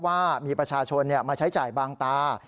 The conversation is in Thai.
ว่ามีประชาชนมาใช้จ่ายบางตา